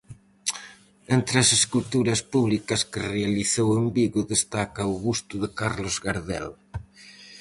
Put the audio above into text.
Entre as esculturas públicas que realizou en Vigo destaca o Busto de Carlos Gardel.